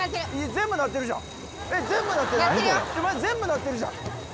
全部鳴ってるじゃん！